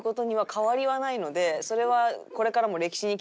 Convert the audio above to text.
それは。